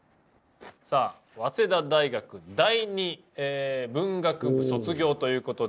さあ早稲田大学第二文学部卒業という事で。